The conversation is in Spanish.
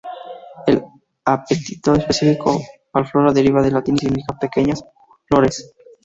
El epíteto específico "parviflora" deriva del latin, y significa "pequeñas flores".